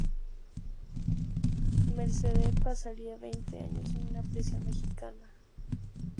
Mercader pasaría veinte años en una prisión mexicana.